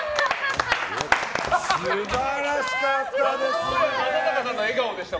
素晴らしかったですね。